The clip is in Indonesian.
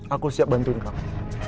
aku siap bantuin kamu